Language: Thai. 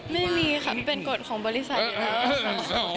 ไม่มีค่ะเป็นกฎของบริษัทอยู่ด้านนี้